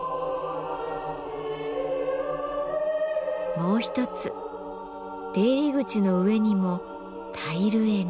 もう一つ出入り口の上にもタイル画が。